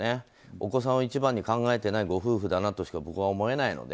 お子さんを一番に考えていないご夫婦だなとしか僕は思えないので。